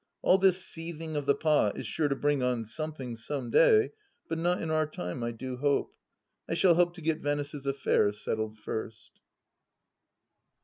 All this seething of the pot is sure to bring on something, some day, but not in our time, I do hope. I shall hope to get Venice's affairs settled first.